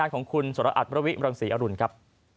ขอบคุณสุราชน์พระวิบรังศีอรุณครับ